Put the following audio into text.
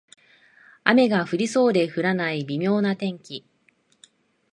雨が降りそうで降らない微妙な天気